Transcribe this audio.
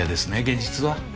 現実は。